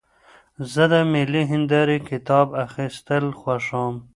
زه د ملي هندارې کتاب اخیستل خوښوم.